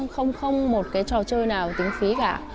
không không một cái trò chơi nào tính phí cả